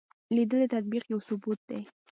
لیدل د تصدیق یو ثبوت دی